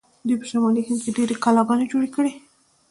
دوی په شمالي هند کې ډیرې کلاګانې جوړې کړې.